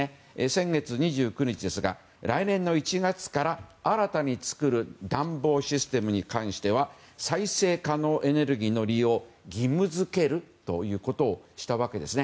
先月２９日ですが来年１月から新たに作る暖房システムに関しては再生可能エネルギーの利用を義務付けるとしたわけです。